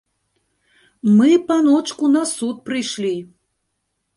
Мы, паночку, на суд прыйшлі.